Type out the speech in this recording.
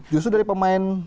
justru dari pemain